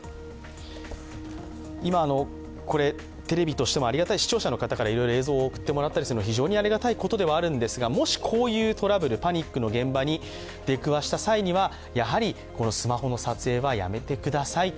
今、これ、テレビとしてもありがたい、視聴者の方から映像を送っていただいて非常にありがたいことではあるんですがもしこういうトラブル、パニックの現場に出くわした際には、スマホの撮影はやめてくださいと。